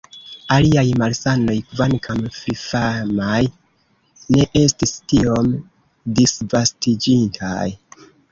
Aliaj malsanoj, kvankam fifamaj, ne estis tiom disvastiĝintaj.